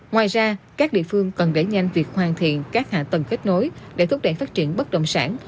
ngoài ra các địa phương cần đẩy nhanh việc hoàn thiện các hạ tầng kết nối để thúc đẩy phát triển bất động sản